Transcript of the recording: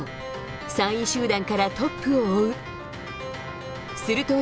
３位集団からトップを追う。